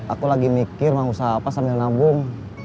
aku lagi mikir mau usaha apa sambil nabung